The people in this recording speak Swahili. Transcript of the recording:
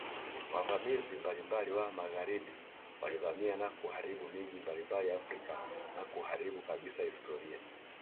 Wavamizi mbalimbali wa magharibi walivamia na kuharibu miji mbalimbali Afrika na kuharibu kabisa historia